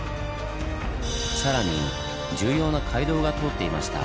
更に重要な街道が通っていました。